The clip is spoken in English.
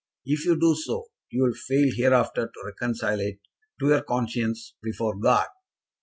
If you do so, you will fail hereafter to reconcile it to your conscience before God."